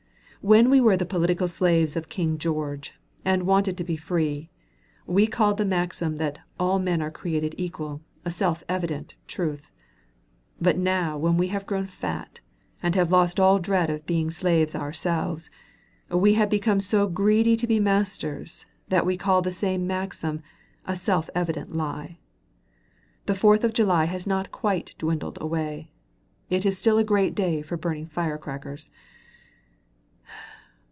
When we were the political slaves of King George, and wanted to be free, we called the maxim that "all men are created equal" a self evident truth; but now when we have grown fat, and have lost all dread of being slaves ourselves, we have become so greedy to be masters that we call the same maxim "a self evident lie." The Fourth of July has not quite dwindled away; it is still a great day for burning fire crackers!